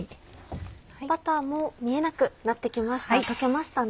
バターも見えなくなって来ました溶けましたね。